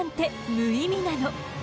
無意味なの？